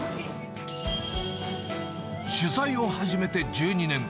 取材を始めて１２年。